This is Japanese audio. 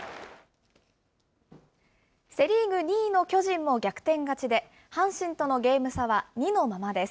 セ・リーグ２位の巨人も逆転勝ちで、阪神とのゲーム差は２のままです。